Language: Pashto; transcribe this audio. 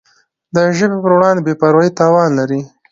د ژبي پر وړاندي بي پروایي تاوان لري.